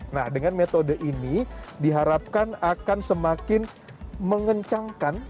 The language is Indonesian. nah dengan metode ini diharapkan akan semakin mengencangkan